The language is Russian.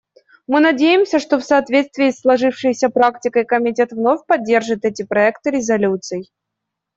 Мы надеемся, что в соответствии со сложившейся практикой Комитет вновь поддержит эти проекты резолюций.